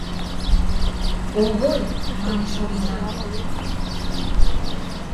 — Овой! — манеш Орина.